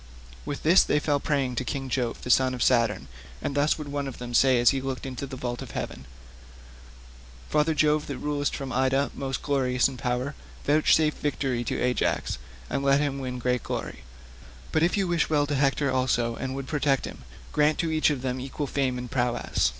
With this they fell praying to King Jove the son of Saturn, and thus would one of them say as he looked into the vault of heaven, "Father Jove that rulest from Ida, most glorious in power, vouchsafe victory to Ajax, and let him win great glory: but if you wish well to Hector also and would protect him, grant to each of them equal fame and prowess."